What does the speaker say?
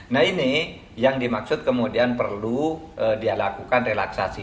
nah ini yang dimaksud kemudian perlu dia lakukan relaksasi